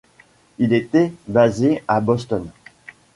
Il était basé à Boston.